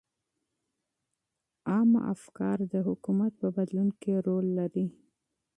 عامه افکار د حکومت په بدلون کې رول لري.